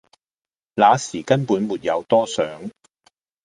那時根本沒有多想